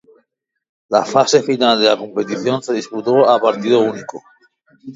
La fase final de la competición se disputó a partido único.